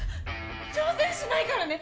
挑戦しないからね。